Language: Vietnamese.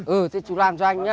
ừ thế chú làm cho anh nhá